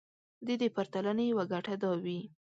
د دې پرتلنې يوه ګټه دا وي.